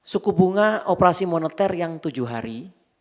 suku bunga operasi moneter yang tujuh hari